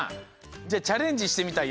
じゃあチャレンジしてみたい